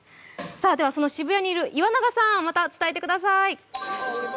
渋谷にいる岩永さん、また伝えてください。